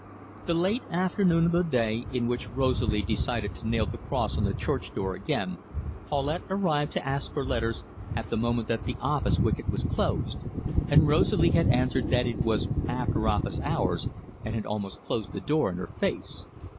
The late afternoon of the day in which Rosalie decided to nail the cross on the church door again, Paulette arrived to ask for letters at the moment that the office wicket was closed, and Rosalie had answered that it was after office hours, and had almost closed the door in her face.